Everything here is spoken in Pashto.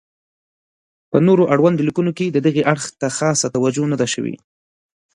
په نور اړوندو لیکنو کې دغې اړخ ته خاصه توجه نه ده شوې.